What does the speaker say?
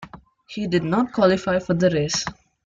He did not qualify for the race.